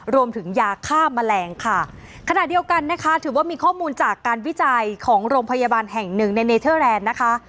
รวมถึงยาฆ่าแมลงค่ะขณะเดียวกันนะคะถือว่ามีข้อมูลจากการวิจัยของโรงพยาบาลแห่งหนึ่งในเนเทอร์แลนด์นะคะ